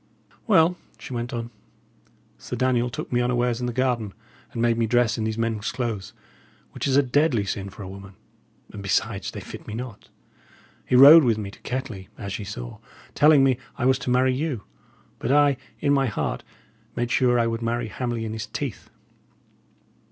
"Well," she went on, "Sir Daniel took me unawares in the garden, and made me dress in these men's clothes, which is a deadly sin for a woman; and, besides, they fit me not. He rode with me to Kettley, as ye saw, telling me I was to marry you; but I, in my heart, made sure I would marry Hamley in his teeth."